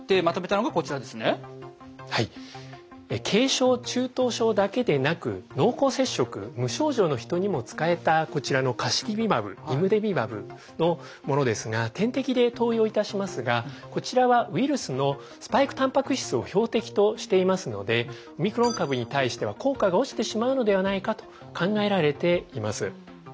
軽症中等症だけでなく濃厚接触・無症状の人にも使えたこちらのカシリビマブ／イムデビマブのものですが点滴で投与いたしますがこちらはウイルスのスパイクタンパク質を標的としていますのでオミクロン株に対しては効果が落ちてしまうのではないかと考えられています。